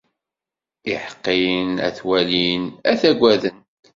Iḥeqqiyen ad t-walin, ad aggaden.